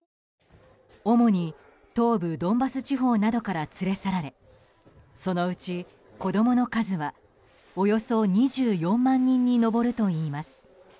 主に、東部ドンバス地方などから連れ去られそのうち子供の数はおよそ２４万人に上るといいます。